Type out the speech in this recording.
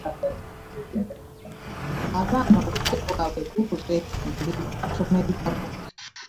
Abaana obudde bw'abwe babuzze mu kusoma ebitabo